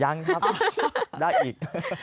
ยังครับได้อีก